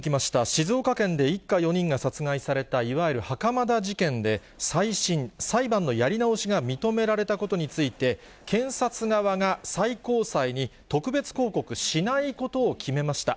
静岡県で一家４人が殺害された、いわゆる袴田事件で、再審・裁判のやり直しが認められたことについて、検察側が最高裁に特別抗告しないことを決めました。